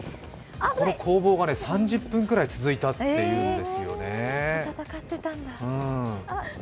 この攻防が３０分ぐらい続いたっていうんですよね。